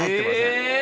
え！